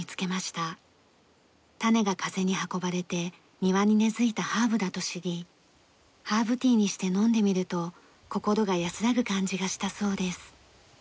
種が風に運ばれて庭に根付いたハーブだと知りハーブティーにして飲んでみると心が安らぐ感じがしたそうです。